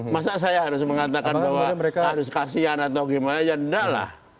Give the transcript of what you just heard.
masa saya harus mengatakan bahwa harus kasihan atau gimana ya enggak lah